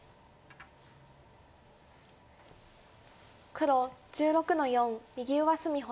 黒１６の四右上隅星。